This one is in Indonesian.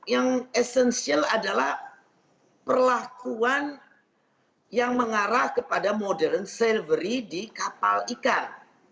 yang esensial adalah perlakuan yang mengarah kepada modern servery di kapal ikan